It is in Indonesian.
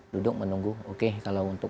duduk menunggu oke kalau untuk